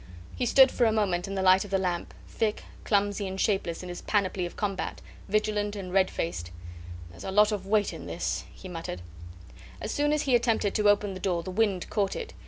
He stood for a moment in the light of the lamp, thick, clumsy, shapeless in his panoply of combat, vigilant and red faced. "There's a lot of weight in this," he muttered. As soon as he attempted to open the door the wind caught it.